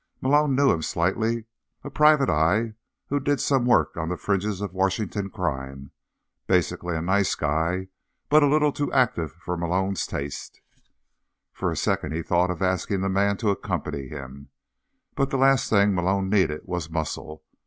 Malone knew him slightly, a private eye who did some work on the fringes of Washington crime; basically a nice guy, but a little too active for Malone's taste. For a second he thought of asking the man to accompany him, but the last thing Malone needed was muscle.